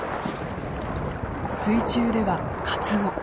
水中ではカツオ。